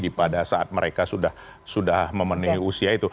pada saat mereka sudah memenuhi usia itu